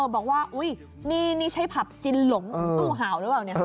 บอกว่านี่ใช้ผับจิลลงตู้หาวหรือเปล่าเนี่ย